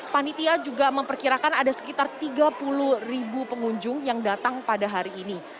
panitia juga memperkirakan ada sekitar tiga puluh ribu pengunjung yang datang pada hari ini